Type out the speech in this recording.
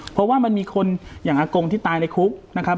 เพราะว่ามันมีคนอย่างอากงที่ตายในคุกนะครับ